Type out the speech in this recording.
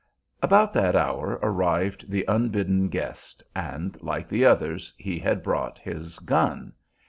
About that hour arrived the unbidden guest, and like the others he had brought his "gun."